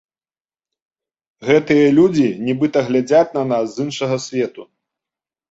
Гэтыя людзі нібыта глядзяць на нас з іншага свету.